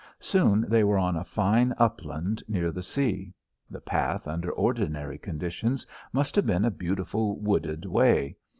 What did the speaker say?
Soon they were on a fine upland near the sea. The path, under ordinary conditions, must have been a beautiful wooded way.